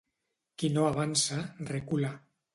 Qui no avança, recula.